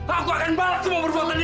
aku akan balas semua perbuatannya